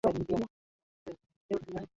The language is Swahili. Kwetu, ambapo ni nyumbani, ni mbali sana.